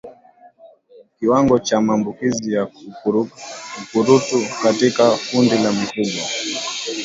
Kiwango cha maambukizi ya ukurutu katika kundi la mifugo